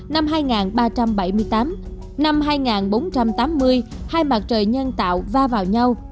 năm hai nghìn ba trăm bảy mươi tám năm hai nghìn bốn trăm tám mươi hai mặt trời nhân tạo va vào nhau